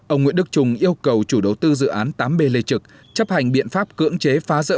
ông nguyễn đức trung yêu cầu chủ đầu tư dự án tám b lê trực chấp hành biện pháp cưỡng chế phá rỡ